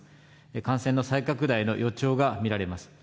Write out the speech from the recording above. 感染の再拡大の予兆が見られます。